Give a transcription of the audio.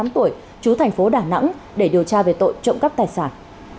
một mươi tám tuổi chú thành phố đà nẵng để điều tra về tội trộm cắp tài sản